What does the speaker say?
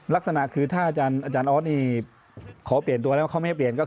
ลักษณะคือถ้าอาจารย์ออสนี่ขอเปลี่ยนตัวแล้วว่าเขาไม่ให้เปลี่ยนก็คือ